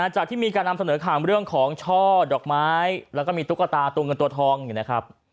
ที่มีการนำเสนอข่าวเรื่องของช่อดอกไม้แล้วก็มีตุ๊กตาตัวเงินตัวทองอยู่นะครับ